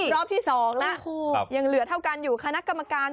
รอบที่๒แล้วยังเหลือเท่ากันอยู่คณะกรรมการ